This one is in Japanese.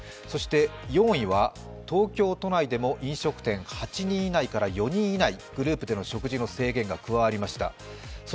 そして４位は東京都内でも飲食店、８人以内から４人以内グループでの食事での制限が加わりました。